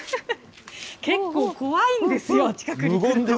結構、怖いんですよ、近くに来ると。